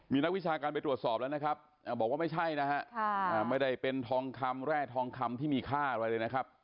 มีนักวิชาการไปตรวจสอบแล้วนะครับบอกว่าไม่ใช่นะฮะไม่ได้เป็นทองคำแร่ทองคำที่มีค่าอะไรเลยนะครับ